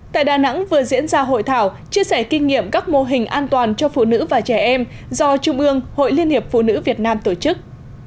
tại đà nẵng vừa diễn ra hội thảo chia sẻ kinh nghiệm các mô hình an toàn cho phụ nữ và trẻ em do trung ương hội liên hiệp phụ nữ việt nam tổ chức